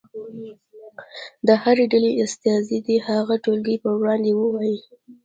د هرې ډلې استازی دې هغه ټولګي په وړاندې ووایي.